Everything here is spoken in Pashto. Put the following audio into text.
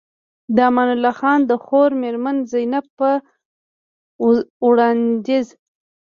د امان الله خان د خور مېرمن زينب په وړانديز